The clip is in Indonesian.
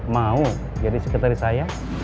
mau jadi sekretaris saya